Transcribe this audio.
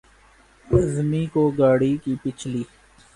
اعظمی کو گاڑی کی پچھلی